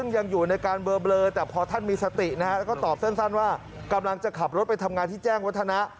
ยังอยู่ในการเบลอแต่พอท่านมีสตินะฮะแล้วก็ตอบสั้นว่ากำลังจะขับรถไปทำงานที่แจ้งวัฒนะ